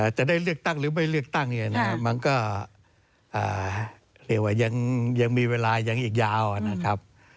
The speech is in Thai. จะได้เลือกตั้งหรือไม่เลือกตั้งเนี่ยนะครับมันก็เรียกว่ายังมีเวลายังอีกยาวนะครับ